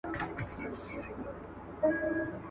آیا په هلمند کي د اوبو د لګولو سیسټم عصري سوی؟